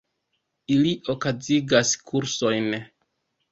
Ili okazigas kursojn.